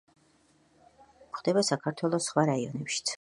რელიქტები გვხვდება საქართველოს ხვა რაიონებშიც.